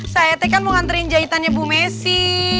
saya itu kan mau nganterin jahitannya bu messi